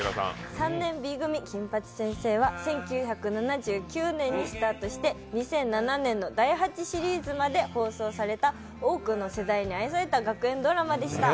「３年Ｂ組金八先生」は１９７９年にスタートして２００７年の第８シリーズまで放送された愛された学園ドラマでした。